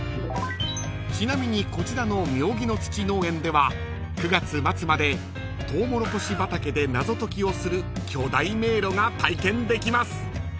［ちなみにこちらのミョウギノツチ農園では９月末までとうもろこし畑で謎解きをする巨大迷路が体験できます］